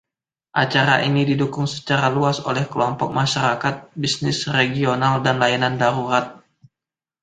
Acara ini didukung secara luas oleh kelompok masyarakat, bisnis regional dan layanan darurat.